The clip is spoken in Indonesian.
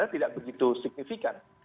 tidak begitu signifikan